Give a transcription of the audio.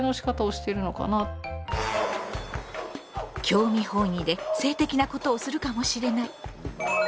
興味本位で性的なことをするかもしれない。